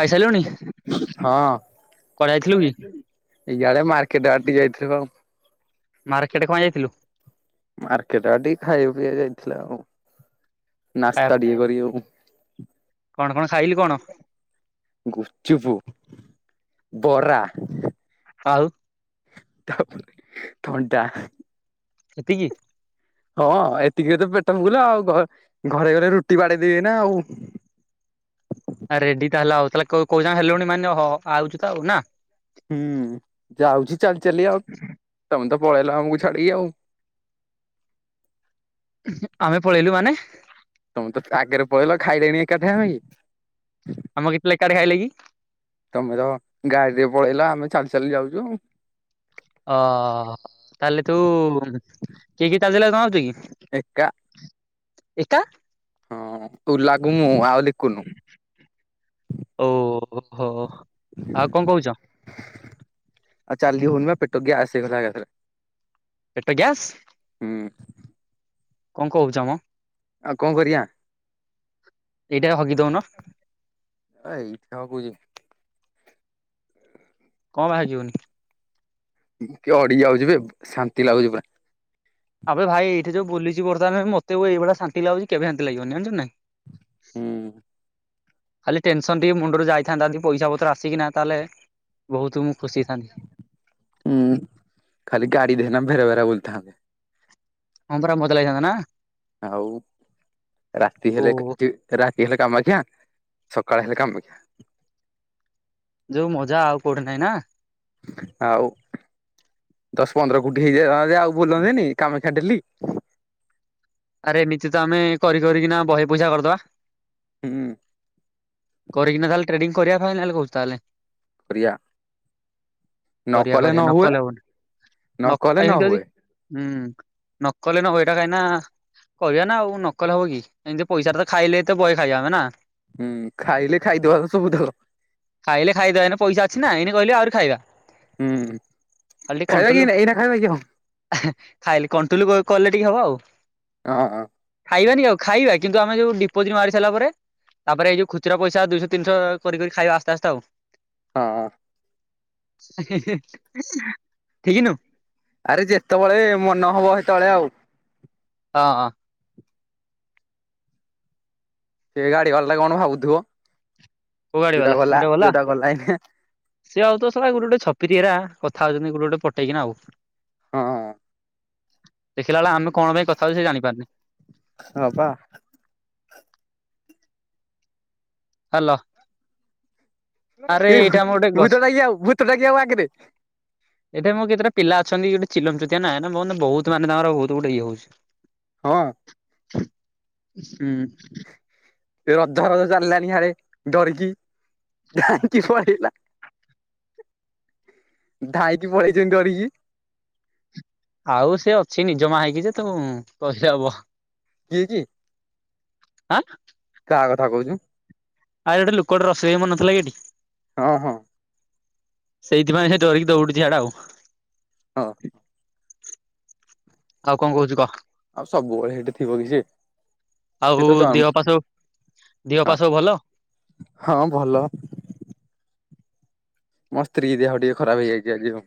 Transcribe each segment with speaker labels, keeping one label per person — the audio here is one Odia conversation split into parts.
Speaker 1: ଖାଇସାରିଲୁଣି
Speaker 2: ହଁ।
Speaker 1: କୁଆଡେ ଯାଇଥିଲୁ କି?
Speaker 2: ଏଇଆାଡେ ମାର୍କେଟ ଆସି ଯାଇଥିଲିବ
Speaker 1: ମାର୍କେଟ କଣପାଇଁ ଯାଇଥିଲୁ?
Speaker 2: ମାର୍କେଟ ଟିକେ ଖାଇବା ପିଇବା ଯାଇଥିଲା ଆଉ
Speaker 1: ଖାଇବା
Speaker 2: ନାସ୍ତା ଟିକେ କରିବାକୁ?
Speaker 1: କଣ କଣ ଖାଇଲି କଣ?
Speaker 2: ଗୁପୁଚୁପୁ ବରା
Speaker 1: ଆଉ
Speaker 2: ତାପରେ ଥଣ୍ଡା
Speaker 1: ଏତିକି
Speaker 2: ହଁ ଏତିକିରେତ ପେଟ ଫୁଲ ଆଉ ଘରେ ଘରେ ରୁଟି ବାଡେଇଦେବି ଏଇନା ଆଉ
Speaker 1: ରେଡିତାହେଲେ ଆଉ ତାହେଲେ କୋଉ କୋଉଯାଏ ହେଲୁଣି ମାନେ ହୋଉ ଆଉଛୁତ ନା
Speaker 2: ହୁଁ ଯାଉଛି ଚାଲି ଚାଲି ଆଉ ତମେତ ପଳେଇଲ ଆମକୁ ଛାଡିକି ଆଉ
Speaker 1: ଆମେ ପଳେଇଲୁ ମାନେ
Speaker 2: ତମେତ ଆଗରେ ପଳେଇଲ ଖାଇଲେଣି ଏକାଠିଆ ହୋଇ।
Speaker 1: ଆମ ଗିତ ଲେକା ଏକାଠି ଖାଇଲେକି
Speaker 2: ତମେତ ଗାଡିରେ ପଳେଇଲ ଆମେ ଚାଲି ଚାଲି ଯାଉଛୁ।
Speaker 1: ଓ ତାହେଲେ ତୁ କିଏ କିଏ ଚାଲି ଚାଲିକା ଯାଉଛକି?
Speaker 2: ଏକା।
Speaker 1: ଏକା।
Speaker 2: ହଁ ତୁ ଲାଗୁ ମୁଁ ଆଉ ଲିକୁନୁ
Speaker 1: ଓ ହୋ ଆଉ କଣ କହୁଛ?
Speaker 2: ଆଉ ଚାଲି ହଉନିବା ପେଟଗ୍ୟାସ ହେଇଗଲା ଏକାଥରେ
Speaker 1: ପେଟ ଗ୍ୟାସ
Speaker 2: ହୁଁ
Speaker 1: କଣ କହୁଛମ?
Speaker 2: ଆଉ କଣ କରିବା?
Speaker 1: ଏଇଟା ହଗି ଦଉନ
Speaker 2: ଏଇ ଇନୋ କୁଇନ।
Speaker 1: କଣ ବାହାରିଯିବନି
Speaker 2: କି ଅଡି ଯାଉଛିିବେ ଶାନ୍ତିଲାଗୁଛିି ପୁରା
Speaker 1: ଆବେ ଭାଇ ଏଠି ଯୋଉୁଛି ପୋଲିସ ବ୍ରଦିରେ ମତେ ଏଇଭଳି ଶାନ୍ତି ଲାଗୁଛି କେବେ ଶାନ୍ତି ଲାଗିବନି ଜାଣିଛୁନା
Speaker 2: ହୁଁ
Speaker 1: ଖାଲି ଟେନସନ ଟିକେ ମୁଣ୍ଡରୁ ଯାଇଥାନ୍ତା ପଇସା ପତ୍ର ଆସିକିନା ତାହେଲେ ବହୁତ ମୁଁ ଖୁସି ହେଇଥାନ୍ତି।
Speaker 2: ହୁଁ ଖାଲି ଗାଡ଼ିରେନା ଭେରେ ଭେରା ବୁଲୁଥାନ୍ତୁ
Speaker 1: ହଁ ପରା ମଜାଲାଗିଥାନ୍ତା ନା
Speaker 2: ଆଉ ରାତି
Speaker 1: ଓ
Speaker 2: ହେଲେ କେତେ? ରାତି ହେଲେ କାମାକ୍ଷା ସକାଳ ହେଲେ କାମାକ୍ଷା
Speaker 1: ଯୋଉ ମଜା ଆଉ କୋଉଠି ନାହିଁନା?
Speaker 2: ଆଉ ଦଶ ପନ୍ଦର କୋଟି ହେଇଯାନ୍ତା ଆଉ ବୁଲନ୍ତିନି କାମାକ୍ଷା ଡେଲି
Speaker 1: ଆରେ ଏମିତିତ ଆମେ କରି କରିକିନା ବହେ ପଇସା କରିଦବା
Speaker 2: ହୁଁ।
Speaker 1: କରିକି ନା ତାହେଲେ ଟ୍ରେଡିଙ୍ଗ କରିବା ଫାଇନାଲ କହୁଛୁ ତା ହେଲେ
Speaker 2: ପ୍ରିୟା
Speaker 1: କରିବା କରିବା
Speaker 2: ହୁଏ
Speaker 1: ନକଲେ ହବନି
Speaker 2: ନ
Speaker 1: ନକ
Speaker 2: କଲେ ନ
Speaker 1: ଏମିତି
Speaker 2: ହୁଏ
Speaker 1: ଅଛି।। ହୁଁ ନକଲେ ନହୁଏ ଏଟା କାହିଁନା କହିବାନା ଆଉ ନକହିଲେ ହବକି ଏମିତି ପଇସାଟାତ ଖାଇଲେ ତ ବହେ ଖାଇବାଯାନ୍ତା ନା
Speaker 2: ହୁଁ ଖାଇଲେ ଖାଇଦବା ସବୁଠୁ
Speaker 1: ଖାଇଲେ ଖାଇଦବା ପଇସା ଅଛିନା ଏଇନା କିହିଲେ ଆହୁରି ଖାଇବା
Speaker 2: ହୁଁ
Speaker 1: ଖାଲି
Speaker 2: ଖାଇବା କି
Speaker 1: କଣ୍ଟୋଲ
Speaker 2: ଏଇନା ଖାଇବା କି ହଁ
Speaker 1: ଖାଇଲେ କଣ୍ଟ୍ରୋଲ କଲେ ଟିକେ ହବ।
Speaker 2: ହଁ।
Speaker 1: ଖାଇବାନି ଆଉ ଖାଇବା କିନ୍ତୁ ଆମେ ଯୋଉ ଡିପୋଜିଟ ମାରିସାଇଲା ପରେ ତାପରେ ଏଇ ଯୋଉ ଖୁଚୁରା ପଇସା ଦୁଶହ ତିନିଶହ କରି ଖାଇବା ଆସ୍ତେ ଆସ୍ତେ ଆଉ
Speaker 2: ହଁ।
Speaker 1: ଠିକି ନୁ
Speaker 2: ଆରେ ଯେତେବେଳେ ମନ ହବ ସେତେବେଳେ ଆଉ
Speaker 1: ହଁ ହଁ।
Speaker 2: ସେ ଗାଡି ବାଲାଟା କଣ ଭାବୁଥିବ
Speaker 1: କୋଉ ଗାଡି
Speaker 2: ଯୋଉଟା
Speaker 1: ବାଲା
Speaker 2: ଗଲା
Speaker 1: ଦିଟା ବାଲା
Speaker 2: ଯୋଉଟା ଗଲା ଏଇନେ
Speaker 1: ସିଏ ଭାବୁଥିବେ! ! ! ! ! ! ! ! ! ! ତ ଗୋଟେ ଗୋଟେ ଛପିରି କଥାଉଛନ୍ତି ଗୁଟେ ଗୁଟେ ପଟେଇକିନା ଆଉ
Speaker 2: ହଁ
Speaker 1: ଦେଖିଲାଆଳେ ଆମେ କଣ ପାଇଁ କଥା ହଉ ସେ ଜାଣିପାରୁଣି।
Speaker 2: ହଁ ପା।
Speaker 1: ହାଲୋ। ଆରେ
Speaker 2: ଏ
Speaker 1: ଏଇଟା
Speaker 2: ଭାଇ
Speaker 1: ଆମ ଗୋଟେ ଗଛ
Speaker 2: ଭୂତ ଟାକି ଭୂତଟା ଆଗରେ
Speaker 1: ଏଠେ ମୋ କେତେଟା ପିଲା ଅଛନ୍ତି ଗୋଟେ ଚିଲମ ଚୁତିଆ ନାଁ ମାନେ ବହୁତ୍ ମାନେ ଗୋଟେ ଇଏ ହଉଛି।
Speaker 2: ହଁ।
Speaker 1: ହୁଁ।
Speaker 2: ଦେଖ୍ ଗଧ ଚାଲିଲାନି ହାରେ ଡରିକି ଧାଇଁ କି ପଳେଇଲା। ଧାଇଁ କି ପଳେଇଛ କି ଡରିକି
Speaker 1: ଆଉ ସେ ଅଛି ନିଜ ମା ହେଇକି ଯେ ତୋ ପଶେଇବ।
Speaker 2: କିଏକି?
Speaker 1: ଆଁ
Speaker 2: କାହା କଥା କହୁଛୁ?
Speaker 1: ଆଉ ଗୋଟ ଲୋକୋଟା ରୋଷେଇଆ ମରିନଥିଲା କି ଏଠି?
Speaker 2: ହଁ ହଁ।
Speaker 1: ସେଇଥିପାଇଁ ସେ ଡିରିକି ଦୌଉୁଡିଛି ଝାଡା ଆଉ
Speaker 2: ହଁ।
Speaker 1: ଆଉ କଣ କହୁଛୁ କହ?
Speaker 2: ଆଉ ସବୁବେଳେ ସେଇଠି ଥିବ କି ସେ? ତ
Speaker 1: ଆଉ-ଉ-ଉ ଦେହ
Speaker 2: ଜନ୍ମ
Speaker 1: ପା ସବୁ ଦେହ ପା ସବୁ ଭଲ?
Speaker 2: ହଁ ଭଲ। ମୋ ସ୍ତ୍ରୀ ଦେହ ଟିକେ ଖରାପ୍ ହେଇଯାଇଛି ଆଜି ଆଉ।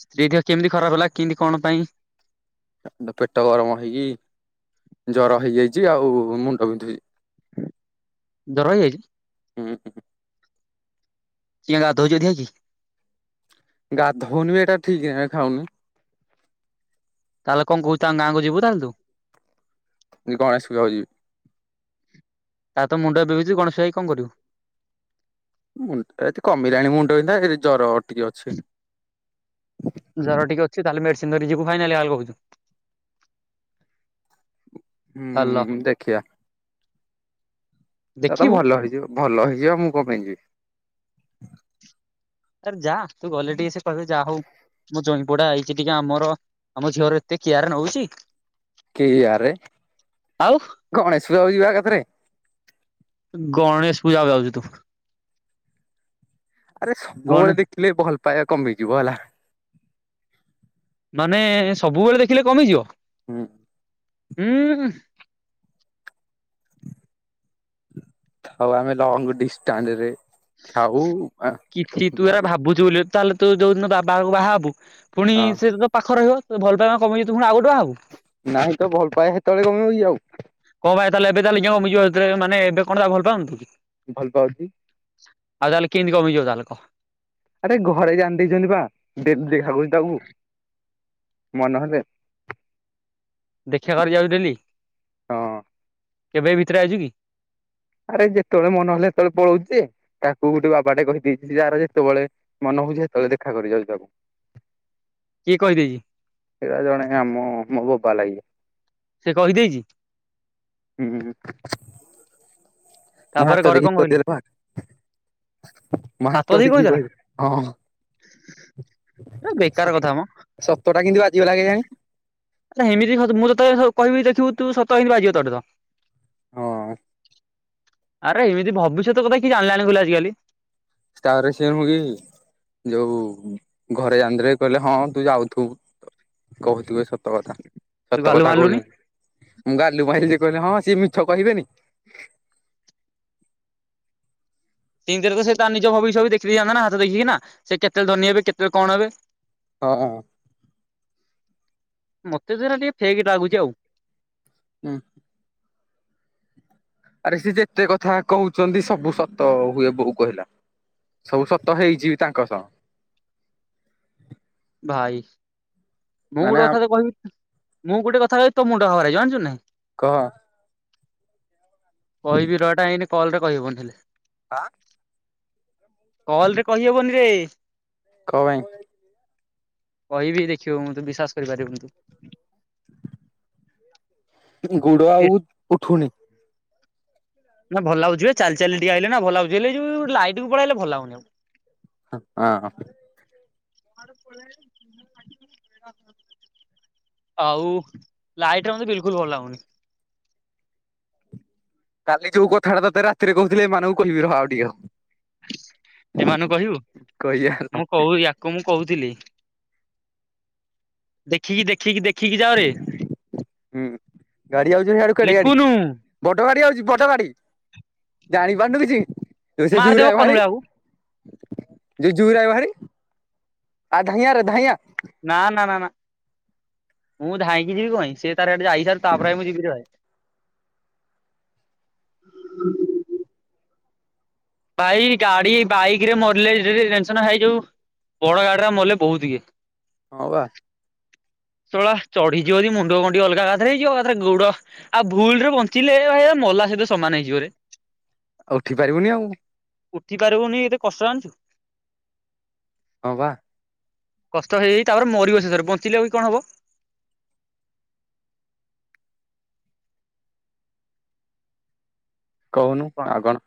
Speaker 1: ସ୍ତ୍ରୀ ଦେହ କେମିତି ଖରାପ୍ ହେଲା କିନ୍ତି କଣ ପାଇଁ?
Speaker 2: ଏ ପେଟ ଗରମ ହେଇକିି ଜ୍ୱର ହେଇଯାଇଛି ଆଉ-ଉ-ଉ ମୁଣ୍ଡ ବିନ୍ଧୁଛି।
Speaker 1: ଜ୍ଵର ହେଇଯାଇଛି?
Speaker 2: ହୁଁ ହୁଁ।
Speaker 1: କିଆଁ ଗାଧଉଛି ଅଧିକା ଆଜି?
Speaker 2: ଗାଧଉନି ବି ଏଟା ଠିକ୍ ହେ ଖାଉନି।
Speaker 1: ତାପରେ କଣ କହୁଛୁ ତାଙ୍କ ଗାଁକୁ ଯିବୁ ତାହେଲେ ତୁ?
Speaker 2: [unintelligible] ଯିବି।
Speaker 1: ତାର ତ ମୁଣ୍ଡ ଏବେ ବିିନ୍ଦୁଛି ଗଣେଶ ଯାଇ କଣ କରିବୁ?
Speaker 2: ମୁଣ୍ଡ ଏତେ କମିଲାଣି ମୁଣ୍ଡ ବିନ୍ଧା ଏ ଜ୍ଵର ଟିକେ ଅଛି।
Speaker 1: ଜର ଟିକେ ଅଛି ତାହେଲେ ମେଡ଼ିସିନ୍ ଧରି ଯିବୁ ଫାଇନାଲି [unintelligible] ହାଲୋ
Speaker 2: ହୁଁ-ଉ-ଉ ଦେଖିଆ। ତାର ତ
Speaker 1: ଦେଖିବୁ
Speaker 2: ଭଲ ହେଇଯିବ ଭଲ ହେଇଯିବ ମୁଁ କଣ ପାଇଁ ଯିବି।
Speaker 1: ଆରେ ଯା ତୁ ଗଲେ ଟିକେ ସେ କହିବେ ଯାହା ହଉ ମୋ ଜ୍ୱାଇଁ ପୁଅ ଟା ଆଇଛି ଟିକେ ଆମର ଆମ ଝିଅର ଏତେ କିୟାର ନଉଛି।
Speaker 2: କେହି ଆରେ
Speaker 1: ଆଉ
Speaker 2: ଗଣେଶ ପୂଜା ଯିବା ଏକାଥରେ।
Speaker 1: ଗଣେଶ ପୂଜା କୁ ଯାଉଛୁ ତୁ?
Speaker 2: ଆରେ
Speaker 1: ଗଣେ
Speaker 2: ସବୁବେଳେ ଦେଖିଲେ ଭଲ ପାଇବା କମିଯିବ ହେଲା।
Speaker 1: ମାନେ-ଏ-ଏ-ଏ ସବୁବେଳେ ଦେଖିଲେ କମିଯିବ?
Speaker 2: ହୁଁ।
Speaker 1: ହୁଁ-ଉ-ଉ-ଉ।
Speaker 2: ହଉ ଆମେ ଲଙ୍ଗ ଡିଷ୍ଟାନ୍ଡରେ
Speaker 1: କି କି ତୁ ଏରା
Speaker 2: ଭଲ
Speaker 1: ଭାବୁଛୁ ବୋଲି ତାହେଲେ ତୁ ଯୋଉ ଦିନ ବାବା କୁ ବାହା ହେବୁ ପୁଣି
Speaker 2: ହଁ
Speaker 1: ସେ ତୋ ପାଖରେ ରହିବ। ତ ଭଲ ପାଇବା କମେଇ ତୁ ପୁଣି ଆଉ ଗୋଟେ ବାହାହବୁ।
Speaker 2: ନାଇଁ ତ ଭଲ ପାଇବା ସେତେବେଳେ କମିବ କି ଆଉ।
Speaker 1: କଣ ପାଇଁ ତାହେଲେ ଏବେ ତାହେଲେ କେଆଁ କମିଯିବ ସେତେବେଳ ମାନେ ଏବେ କଣ ତାକୁ ଭଲ ପାଆନୁ ତୁ?
Speaker 2: ଭଲ ପାଉଛି।
Speaker 1: ଆଉ ତାହେଲେ କେଏନ୍ତି କମି ଯିବ ତାହେଲେ କହ?
Speaker 2: ଆରେ ଘରେ ଜାଣି ଦେଇଛନ୍ତି ବା ଦେ ଦେଖା କରୁଛି ତାକୁ ମନହେଲେ।
Speaker 1: ଦେଖା କରି ଯାଉଛି ଡେଲି?
Speaker 2: ହଁ
Speaker 1: କେବେ ଏ ଭିତରେ ଆଇଛୁ କି?
Speaker 2: ଆରେ ଯେତେବେଳେ ମନ ହେଲେ ସେତେବେଳେ ପଳଉଛି। ତାକୁ ଗୋଟେ ବାବାଟେ କହିଦେଇଛି ଯାର ଯେତେବେଳେ ମନ ହଉଛି ସେତେବେଳେ ଦେଖା କରି ଯାଉଛି ତାକୁ। [inaudible]
Speaker 1: କିଏ କହିଦେଇଛି?
Speaker 2: ସେଇଟା ଜଣେ ଆମ-ଅ-ଅ ମୋ ବୋପା ଲାଗିବ।
Speaker 1: ସିଏ କହିଦେଇଛି?
Speaker 2: ହୁଁ। ମୋ
Speaker 1: ତାପରେ
Speaker 2: ହାତ
Speaker 1: ଘରେ
Speaker 2: ଦେଖି
Speaker 1: କଣ କହିଲେ
Speaker 2: କହିଦେଲେ ପା ମୋ
Speaker 1: ସାତ
Speaker 2: ହାତ
Speaker 1: ଦେଇ
Speaker 2: ଦେଖି
Speaker 1: କହିଦେଲା
Speaker 2: କହିଦେ ହଁ।
Speaker 1: ଏ ବେକାର କଥା ମ।
Speaker 2: ସତଟା କିନ୍ତି ବାଜିଗଲା କେଜାଣି।
Speaker 1: ହେ ହେମିତି ସତ ମୁଁ ତତେ ଏଥର କହିବି ଦେଖୁବୁ ତୁ ସତ ଏନ୍ତି ବାଜିବ [unintelligible]
Speaker 2: ହଁ।
Speaker 1: ଆରେ ଏମିତି ଭବିଷ୍ୟତ କଥା କିଏ ଜାଣିଲାଣି କହିଲୁ ଆଜ କାଲି।
Speaker 2: ତାପରେ ସିଏ ନୁହ କି ଯୋଉ ଘରେ ଜାଣିଦେଲେ କହିଲେ ହଁ ତୁ ଯାଉଥୁବୁ। କହୁଥିବେ ସ ତ ଥା
Speaker 1: ତୁ
Speaker 2: ସତ
Speaker 1: ଗାଲୁ
Speaker 2: କଥା
Speaker 1: ମାରିଲୁନି
Speaker 2: କହୁଚି ମୁଁ ଗାଲୁ ମାଇଲି ଯେ କହିଲେ ହଁ ସିଏ ମିଛ କହିବେନି।
Speaker 1: ଇନ୍ତିରେ ତ ସେ ତା ନିଜ ଭବିଷ୍ୟ ବି ଦେଖି ଦିଅନ୍ତାନା ହାତ ଦେଖିକିନା ସେ କେତେବେଳେ ଧନୀ ହେବେ କେତେବେଳେ କଣ ହେବେ।
Speaker 2: ହ ଅଁ ଅଁ।
Speaker 1: ମତେ ତ ହେରା ଟିକେ ଫେକେ ଲାଗୁଚି ଆଉ।
Speaker 2: ହୁଁ। ଆରେ ସିଏ ଯେତେ କଥା କହୁଛନ୍ତି ସବୁ ସତ ହୁଏ ବୋହୁ କହିଲା। ସବୁ ସତ ହେଇଚି ବି ତାଙ୍କ ସହ।
Speaker 1: ଭାଇ ମୁଁ
Speaker 2: ମାନେ
Speaker 1: ଗୋଟେ କଥାଟେ କହିବି ମୁଁ ଗୋଟେ କଥା କହିବି ତୋ ମୁଣ୍ଡ ଖରା ହେଇଯିବ ଜାଣିଚୁ ନାହିଁ।
Speaker 2: କହ।
Speaker 1: କହିବି ରଟା ଏଇନେ କଲରେ କହି ହବନି ହେଲେ।
Speaker 2: ଆଁ।
Speaker 1: କଲରେ କହି ହବନିରେ।
Speaker 2: କ ପାଇଁ?
Speaker 1: କହିବି ଦେଖିବୁ ମୁଁ ତୁ ବିଶ୍ୱାସ କରିପାରିବୁନୁ ତୁ।
Speaker 2: ଗୁଡ ଆଉ ଉଠୁନି।
Speaker 1: ନା ଭଲ ଲାଗୁଛିବେ ଚାଲି ଚାଲି ଟିକେ ଆଇଲେ ନା ଭଲ ଲାଗୁଛି ହେଲେ ଏଇ ଯୋଉ ଲାଇଟକୁ ପଳେଇ ଆଇଲେ ଭଲ ଲାଗୁନି ଆଉ।
Speaker 2: ହଁ ହଁ।
Speaker 1: [inaudible] ଆଉ ଲାଇଟରେ ମତେ ବିଲକୁଲ୍ ଭଲ ଲାଗୁନି।
Speaker 2: କାଲି ଯୋଉ କଥାଟା ତତେ ରାତିରେ କହୁଥିଲି ଏମାନଙ୍କୁ କହିବି ରହ ଟିକେ ହ।
Speaker 1: ଏମାନୁ କହିବୁ ମୁଁ କହୁ ୟାକୁ ମୁଁ କହୁଥିଲି। ଦେଖିକି ଦେଖିକି ଦେଖିକି ଯାଅରେ
Speaker 2: ହୁଁ ଗାଡି ଯାଉଛି ସିଆଡୁ କେଡେ ଗାଡି
Speaker 1: ଲିକୁନୁ।
Speaker 2: ବଡ ଗାଡି ଆଉଚି ବଡ ଗାଡି ଜାଣିପାରୁନୁ କିଛି।
Speaker 1: ମାରିଦବ କନୁଳାକୁ
Speaker 2: [unintelligible] ଯୁଜୁୁରା [unintelligible] ଭାରି ଆ ଧାଇଁ ଆରେ ଧାଇଁଆ।
Speaker 1: ନା ନା ନା ନା ମୁଁ ଧାଇଁକି ଯିବି କଁ ପାଇଁ ସିଏ ତାର ଏଠୁ ଯାଇସାରୁ ତାପରେ ଭାଇ ମୁଁ ଯିବିରେ ଭାଇ। ଭାଇ ଗାଡି ବାଇକିରେ ମରଲେ ସେ ଯୋଉ ଟେନସନ ଭାଇ ଯୋଉ। ବଡ ଗାଡିରେ ମଲେ ବୋହୁତ ଇଏ।
Speaker 2: ହଁ ବା। ! ! ! ! ! ! ! ! ! !
Speaker 1: ଚଢିଯିବ ଯଦି ମୁଣ୍ଡ ଗଣ୍ଡି ଅଲଗା ଏକାଥରେ ହେଇଯିବ ଏକାଥରେ ଗୁଡ ଆଉ ଭୁଲରେ ବଞ୍ଚିଲେ ଭାଇ ଏ ମଲା ସହିତ ସମାନ ହେଇଯିବରେ।
Speaker 2: ଆଉ ଉଠି ପାରିବୁନି ଆଉ।
Speaker 1: ଉଠି ପାରିବୁନି କେତେ କଷ୍ଟ ଜାଣିଚୁ।
Speaker 2: ହଁ ବା।
Speaker 1: କଷ୍ଟ ହେଇ ହେଇ ତାପରେ ମରିବ ଶେଷରେ ବଞ୍ଚିଲେ ବି କଁ ହବ।
Speaker 2: କହୁନୁ ଆଉ କଣ।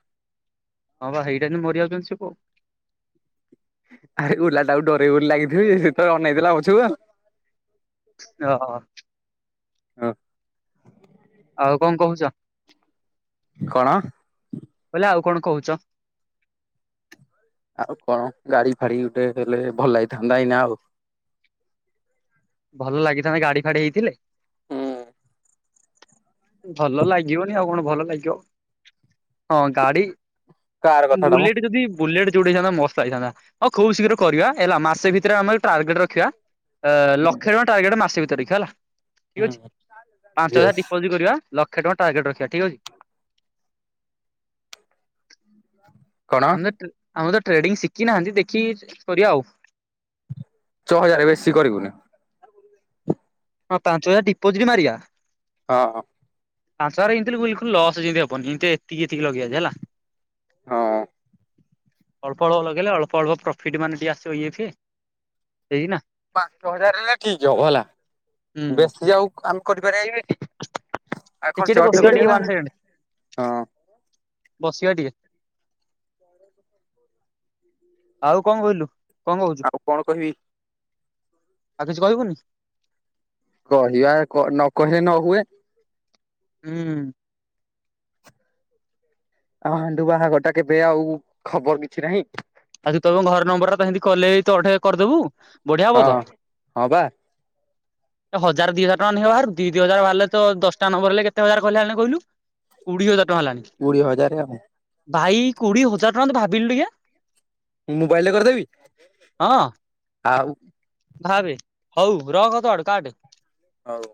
Speaker 1: ହଁ ବା ହେଇଟା ଇନ୍ତି ମରିଯାଉଛନ୍ତି ସବୁ ଆଉ।
Speaker 2: ଆରେ ଓଲାଟାକୁ ଡେରେଇବି ବୋଲି ଲାଗିଥିଲି ଯେ ସିଏ ତ ଅନେଇ ଦେଲା ପଛୁକୁ ଆଉ।
Speaker 1: ଅ ହ।
Speaker 2: ଆଉ
Speaker 1: ଆଉ କଁ କହୁଚ?
Speaker 2: କଣ?
Speaker 1: ବୋଇଲେ ଆଉ କଣ କହୁଚ?
Speaker 2: ଆଉ କଁ ଗାଡି ଫାଡି ଗୋଟେ ହେଲେ ଭଲ ଲାଗିଥାନ୍ତା ଏଇନା ଆଉ।
Speaker 1: ଭଲ ଲାଗିଥାନ୍ତା ଗାଡି ଫାଡି ହେଇଥିଲେ।
Speaker 2: ହୁଁ
Speaker 1: ଭଲ ଲାଗିବନି ଆଉ କଣ ଭଲ ଲାଗିବ ହଁ ଗାଡି
Speaker 2: କାର
Speaker 1: ଉଁ
Speaker 2: କଥା ଟା ମ
Speaker 1: ବୁଲେଟେ ଯଦି ବୁଲେଟେ ଯୋଉଠି ହେଇଥାନ୍ତା ମସ୍ତ ଲାଗିଥାନ୍ତା ହଁ ଖୁବ୍ ଶୀଘ୍ର କରିବା ହେଲା ମାସେ ଭିତରେ ଆମର ଟ୍ରାର୍ଗେଟ ରଖିବା ଆ ଲକ୍ଷେ ଟଙ୍କା ଟାର୍ଗେଟ ମାସେ ଭିତେରେ ଦେଖିବା ହେଲା ଠିକ୍ ଅଛି ପାଞ୍ଚ ହଜାର
Speaker 2: ୟେସ୍
Speaker 1: ଡି ପୋଜି କରିବା ଲକ୍ଷେ ଟଙ୍କା ଟାର୍ଗେଟ୍ ରଖିବା ଠିକ୍ ଅଛି।
Speaker 2: କଣ
Speaker 1: ଆମେ ତ ଆମ ତ ଟ୍ରେଡିଙ୍ଗ ଶିଖିନାହାନ୍ତି ଦେଖିକି କରିବା ଆଉ
Speaker 2: ଛ ହଜାର ବେଶୀ କରିବୁନି।
Speaker 1: ହଁ ପାଞ୍ଚ ହଜାର ଡିପୋଜିଟ ମାରିବା।
Speaker 2: ହଁ ହଁ।
Speaker 1: ପାଞ୍ଚ ହଜାର ଏନତି ବିଲକୁଲ ଲସ୍ ଯେମିତି ହବନି ଏନତି ଏତିକିତିି ଏତିକି ଲଗେଇବା ହେଲା।
Speaker 2: ହଁ।
Speaker 1: ଅଳ୍ପ ଅଳ୍ପ ଲଗେଇଲେ ଅଳ୍ପ ଅଳ୍ପ ପ୍ରଫିଟ୍ ମାନେ ସିଏ ଆସିବ ଇଏଫିଏ ହେଇକିନା।
Speaker 2: ପାଞ୍ଚ ହଜାର ହେଲେ ଠିକ ହବ ହେଲା,
Speaker 1: ହୁଁ
Speaker 2: ବେଶୀ ଯାଉ ଆମେ କରିପାରିବା କି? ଆ
Speaker 1: ଟିକେ ଟିକେ
Speaker 2: ଖର୍ଚ୍ଚର୍
Speaker 1: ବସିବା ଟିକେ
Speaker 2: ପଡିିବ ନା
Speaker 1: ୱାନ୍ ସେକେଣ୍ଡ
Speaker 2: ହଁ।
Speaker 1: ବସିବା ଟିକେ। ଆଉ କଣ କହିଲୁ, କଣ କହୁଛୁ
Speaker 2: ଆଉ କଣ କହିବି
Speaker 1: ଆଉ କିଛି କହିବୁନି?
Speaker 2: କହିବା ନ କହିଲେ ନ ହୁଏ।
Speaker 1: ହୁଁ।
Speaker 2: ଆଉ ହାଣ୍ଡୁ ବାହାଘରଟା କେବେ ଆଉ ଖବର କିଛି ନାହିଁ।
Speaker 1: ଆ ତମ ଘର ନମ୍ବରଟା ତ ଏମିତି କଲ ହେଇ ତ ହେଇ କରିଦେବୁ ବଢିଆ ହବ
Speaker 2: ହଁ
Speaker 1: ତ।
Speaker 2: ହଁ ବା
Speaker 1: ହଜାର ଦି ହଜାର ଟଙ୍କା ନେଖା ବାହାରୁ ଦି ଦି ହଜାର ବାହାରିଲେ ତ ଦଶଟା ନବର ହେଲେ କେତେ ହଜାର କହିଲ ହେଣି କହିଲୁ। କୋଡ଼ିଏ ହଜାରଟଙ୍କା ହେଲାଣି।
Speaker 2: କୋଡିଏ ହଜାର ଆଉ
Speaker 1: ଭାଇ କୋଡିଏ ହଜାର ଟଙ୍କା ତ ଭାବିଲୁ ଟିକେ
Speaker 2: ମୁଁ ମୋବାଇଲରେ କରିଦେବି।
Speaker 1: ହଁ
Speaker 2: ଆଉ
Speaker 1: ଭାବେ ହଉ ରଖ, ତୋ ଆଡୁ କାଆଟେ।
Speaker 2: ହଉ।